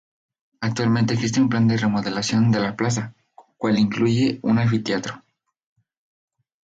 Actualmente existe un plan de remodelación de la plaza cual incluye un anfiteatro.